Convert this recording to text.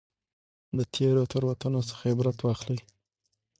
د تېرو تېروتنو څخه عبرت واخلئ.